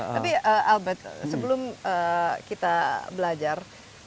tapi albert sebelum kita belajar